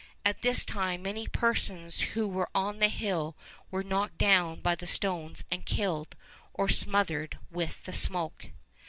At this time many persons who were on the hill were knocked down by the stones and killed, or smothered with the smoke.